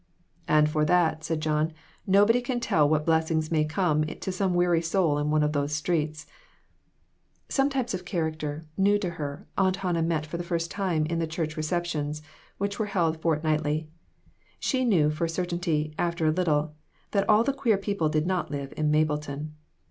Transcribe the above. " And for that," said John, "nobody can tell what blessings may come to some weary soul in one of these streets." Some types of character, new to her, Aunt Hannah met for the first time in the church receptions, which were held fortnightly. She knew for a certainty, after a little, that all the queer people did not live in Mapleton.